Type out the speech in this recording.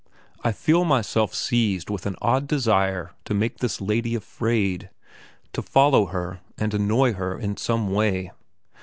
I feel myself seized with an odd desire to make this lady afraid; to follow her, and annoy her in some way.